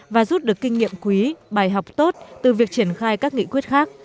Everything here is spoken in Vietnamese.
và rút được kinh nghiệm quý bài học tốt từ việc triển khai các nghị quyết khác